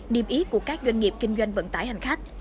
niềm ý của các doanh nghiệp kinh doanh vận tải hành khách